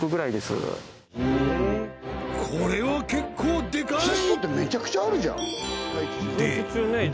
これは結構でかい！